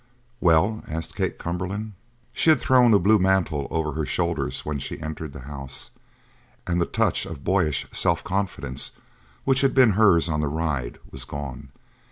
"Well?" asked Kate Cumberland. She had thrown a blue mantle over her shoulders when she entered the house, and the touch of boyish self confidence which had been hers on the ride was gone.